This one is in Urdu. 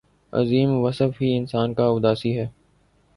عظیم وصف ہی انسان کا اداسی ہے